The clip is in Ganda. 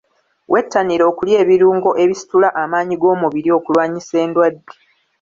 Wettanire okulya ebirungo ebisitula amaanyi g'omubiri okulwanyisa endwadde.